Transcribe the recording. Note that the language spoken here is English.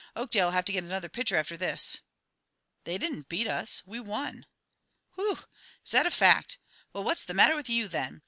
Oakdale'll have to get another pitcher after this." "They didn't beat us; we won." "Whew! Is that a fact? Well, what's the matter with you, then?